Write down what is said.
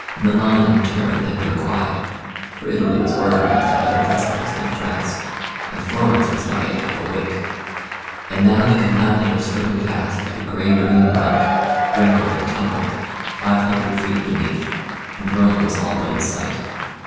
Milan and Turin had been quiet, for Italy was organised on other principles than France, and Florence was not yet half awake. And now the Campagna was slipping past like a grey green rug, wrinkled and tumbled, five hundred feet beneath, and Rome was all but in sight.